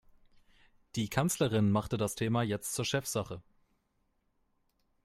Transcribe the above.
Die Kanzlerin machte das Thema jetzt zur Chefsache.